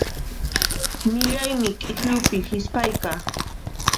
Millaymi k'ikllupi hisp'ayqa.